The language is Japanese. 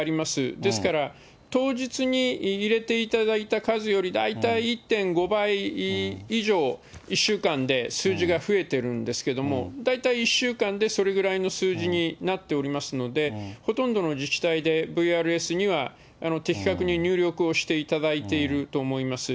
ですから、当日に入れていただいた数より大体１．５倍以上、１週間で数字が増えてるんですけれども、大体１週間でそれぐらいの数字になっておりますので、ほとんどの自治体でＶＲＳには的確に入力をしていただいていると思います。